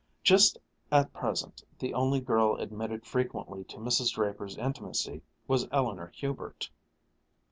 Just at present the only girl admitted frequently to Mrs. Draper's intimacy was Eleanor Hubert.